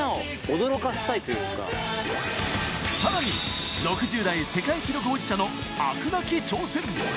さらに、６０代世界記録保持者の飽くなき挑戦。